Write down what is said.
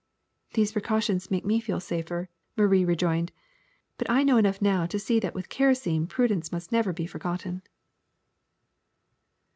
'^ These precautions make me feel safer," Marie rejoined; *'but I know enough now to see that Avith kerosene prudence must never be forgotten."